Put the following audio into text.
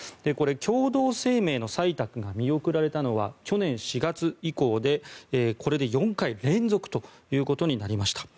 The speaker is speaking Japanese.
共同声明の採択が見送られたのは去年４月以降でこれで４回連続ということになりました。